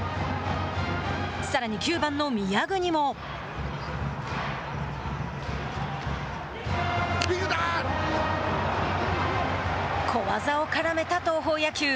さらに９番の宮國小技を絡めた東邦野球。